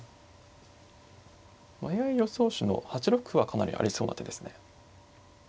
ＡＩ予想手の８六歩はかなりありそうな手ですね。